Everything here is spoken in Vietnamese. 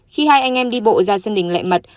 khi hai anh em đi bộ ra sân đình lệ mật